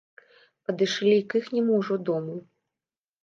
Падышлі к іхняму ўжо дому.